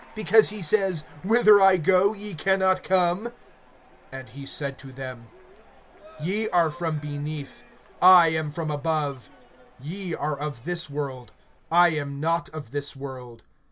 because he says: Whither I go, ye can not come. (23)And he said to them: Ye are from beneath; I am from above. Ye are of this world; I am not of this world.